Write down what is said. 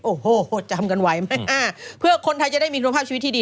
โอ้โหจำกันไหวไหมเพื่อคนไทยจะได้มีคุณภาพชีวิตที่ดี